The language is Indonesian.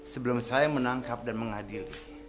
sebelum saya menangkap dan mengadili